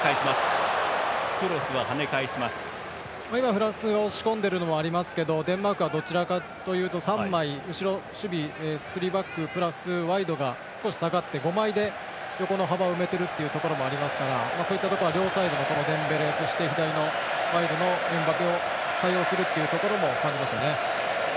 フランスが押し込んでいるのもありますけどデンマークは、どちらかというと３枚、後ろ守備スリーバックプラスワイドが少し下がって５枚で横の幅を埋めているところもありますからそういったところ両サイド、右のデンベレとそして左のワイドのエムバペを多用するというところも感じますよね。